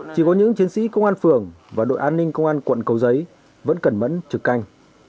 chỉ có những chiến sĩ công an phường và đội an ninh công an quận cầu giấy vẫn cẩn mẫn trực canh